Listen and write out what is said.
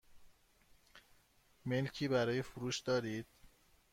ملکی برای فروش دارید؟